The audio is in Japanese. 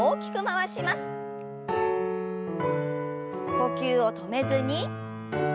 呼吸を止めずに。